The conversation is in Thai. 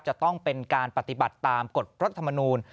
จะต้องเป็นการปฏิบัติตามกฎรัฐมนูล